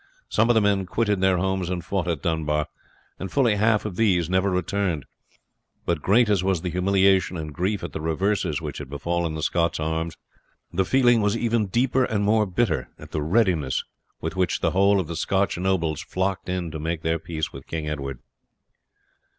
Some of the men quitted their homes and fought at Dunbar, and fully half of these never returned; but great as was the humiliation and grief at the reverses which had befallen the Scotch arms, the feeling was even deeper and more bitter at the readiness with which the whole of the Scotch nobles flocked in to make their peace with King Edward.